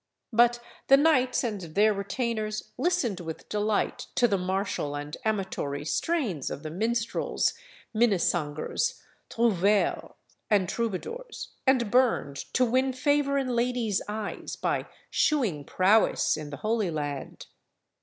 But the knights and their retainers listened with delight to the martial and amatory strains of the minstrels, minnesängers, trouvères, and troubadours, and burned to win favour in ladies' eyes by shewing prowess in the Holy Land.